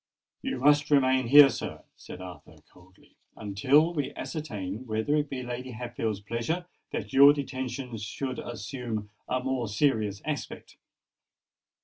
"You must remain here, sir," said Arthur coldly, "until we ascertain whether it be Lady Hatfield's pleasure that your detention should assume a more serious aspect."